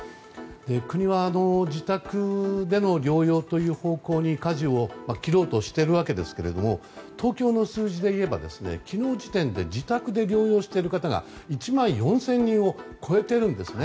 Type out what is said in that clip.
国は自宅療養という方向にかじを切ろうとしているわけですが東京の数字でいえば、昨日時点で自宅で療養している方が１万４０００人を超えているんですよね。